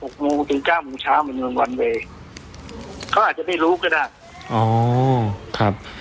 ยกเว้นตอนเช้า๖๙โมงเช้ามันเป็นวันเวย์เขาอาจจะไม่รู้ก็ได้